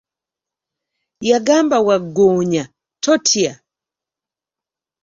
Yagamba Waggoonya, totya.